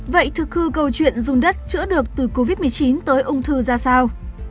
vậy thực hư câu chuyện dùng đất chữa được từ covid một mươi chín tới ung thư ra sao